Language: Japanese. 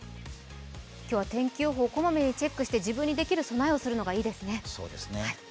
今日は天気予報、こまめにチェックして、自分にできる備えをするのがいいですね。